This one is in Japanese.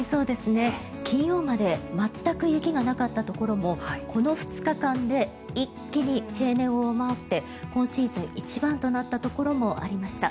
金曜まで全く雪がなかったところもこの２日間で一気に平年を上回って今シーズン一番となったところもありました。